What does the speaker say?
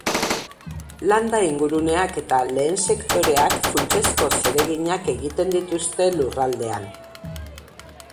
Landa-inguruneak eta lehen sektoreak funtsezko zereginak egiten dituzte lurraldean.